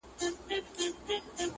دا عجيبه ده د سوق اور يې و لحد ته وړئ,